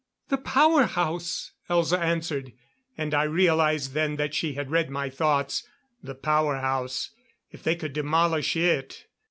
"The power house," Elza answered; and I realized then that she had read my thoughts. The power house, if they could demolish it....